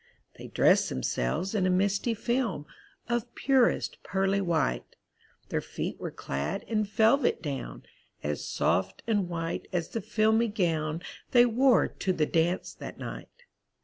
They dressed themselves in a misty film Of purest pearly white; Their feet were clad in velvet down, As soft and white as the filmy gown They wore to the dance that night.